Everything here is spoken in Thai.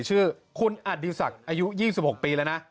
ชื่อคุณอดีศักดิ์อายุ๒๖ปีแล้วนะ